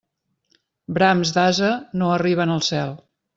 Brams d'ase no arriben al cel.